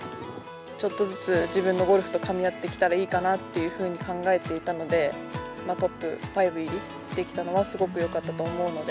ちょっとずつ自分のゴルフとかみ合ってきたらいいかなっていうふうに考えていたので、トップ５入りできたのは、すごくよかったと思うので。